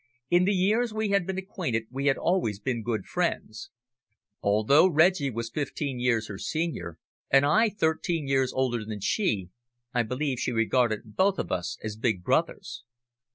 In the years we had been acquainted we had always been good friends. Although Reggie was fifteen years her senior, and I thirteen years older than she, I believe she regarded both of us as big brothers.